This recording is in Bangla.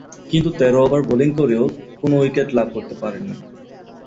কিন্তু তেরো ওভার বোলিং করেও কোন উইকেট লাভ করতে পারেননি।